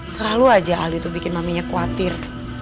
selalu aja ali bikin maminya khawatir